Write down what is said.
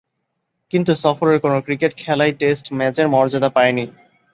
কিন্তু সফরের কোন ক্রিকেট খেলাই টেস্ট ম্যাচের মর্যাদা পায়নি।